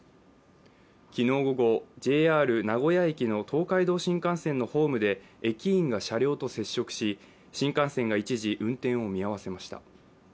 昨日午後、ＪＲ名古屋駅の東海道新幹線のホームで駅員が車両と接触し新幹線が一時運転を見合わせました。